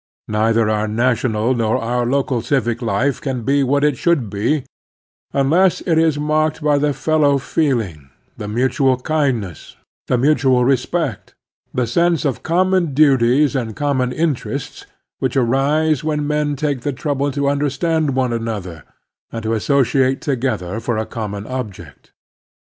Neither our national nor our local civic life can be what it should be imless it is marked by the fellow feeling, the mutual kindness, the mutual respect, the sense of common duties and common interests, which arise when men take the trouble to tmder stand one another, and to associate together for a common object.